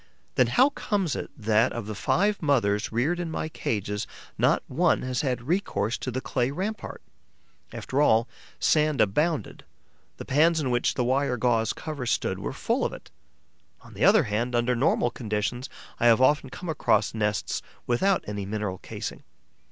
Then how comes it that, of the five mothers reared in my cages, not one has had recourse to the clay rampart? After all, sand abounded: the pans in which the wire gauze covers stood were full of it. On the other hand, under normal conditions, I have often come across nests without any mineral casing.